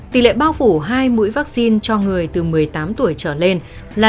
tỷ lệ bao phủ hai mũi vaccine cho người từ một mươi tám tuổi trở lên là chín mươi chín